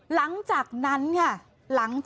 หลังจากนั้น